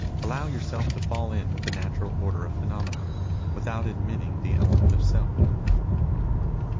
Allow yourself to fall in with the natural order of phenomena, without admitting the element of self."